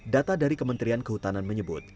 data dari kementerian kehutanan menyebut